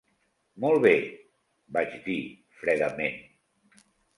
"Molt bé", vaig dir fredament.